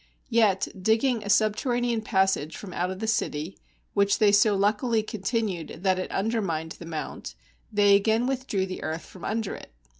Yet digging a subterranean passage from out of the city, which they so luckily continued that it undermined the mount, they again withdrew the earth from under it.